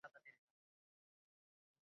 তোমার ফোন বন্ধ কেন?